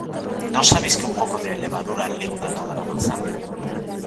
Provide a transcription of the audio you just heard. ¿No sabéis que un poco de levadura leuda toda la masa?